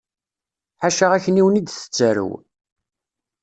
Ḥaca akniwen i d-tettarew.